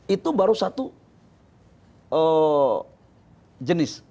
itu baru satu jenis